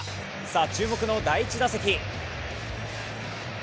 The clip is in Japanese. さあ、注目の第１打席。